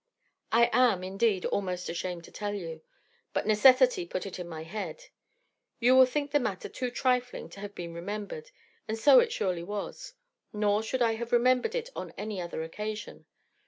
I am, indeed, almost ashamed to tell you; but necessity put it in my head. You will think the matter too trifling to have been remembered, and so it surely was; nor should I have remembered it on any other occasion.